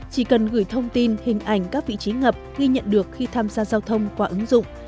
chỉ cần gửi thông tin hình ảnh các vị trí ngập ghi nhận được khi tham gia giao thông qua ứng dụng